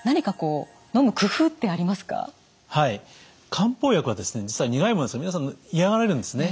漢方薬は実は苦いものですので皆さん嫌がられるんですね。